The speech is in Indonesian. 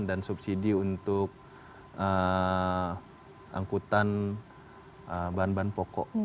dan subsidi untuk angkutan bahan bahan pokok